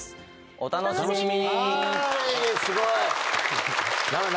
「お楽しみに」